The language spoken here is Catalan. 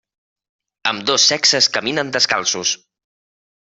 Ambdós sexes caminen descalços.